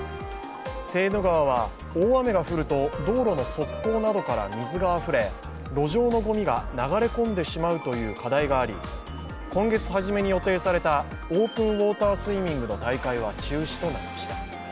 セーヌ川は大雨が降ると道路の側溝などから水があふれ路上のごみが流れ込んでしまうという課題があり、今月初めに予定されたオープンウォータースイミングの大会は中止となりました。